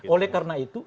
oleh karena itu